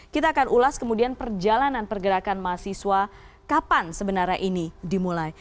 kita akan ulas kemudian perjalanan pergerakan mahasiswa kapan sebenarnya ini dimulai